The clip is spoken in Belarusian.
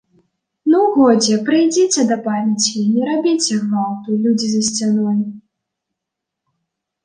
Ну, годзе, прыйдзіце да памяці, не рабіце гвалту, людзі за сцяной.